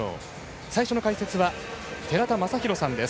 最初の解説は寺田雅裕さんです。